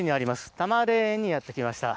多磨霊園にやってきました。